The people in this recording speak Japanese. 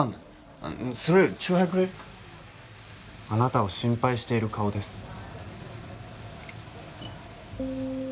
あなたを心配している顔です。